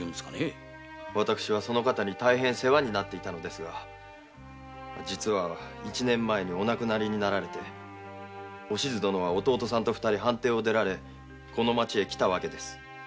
私はその方に大変世話になっていたのですが一年前に亡くなられお静殿は弟さんと藩邸を出られこの町へ来たわけです